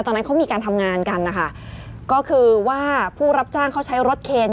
ตอนนั้นเขามีการทำงานกันนะคะก็คือว่าผู้รับจ้างเขาใช้รถเคน